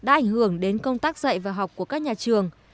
đã ảnh hưởng đến công tác dạy và học của các nhà trường